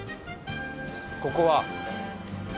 ここは。